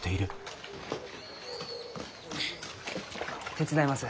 手伝います。